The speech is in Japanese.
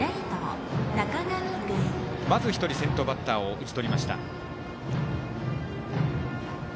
まず１人、先頭バッター打ち取りました。